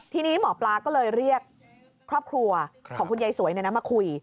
ทีนี้หมอปลาก็เลยเรียกครอบครัวของคุณยายสวยมาคุย